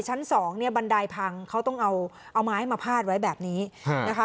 ชั้นสองเนี่ยบันไดพังเขาต้องเอาไม้มาพาดไว้แบบนี้นะคะ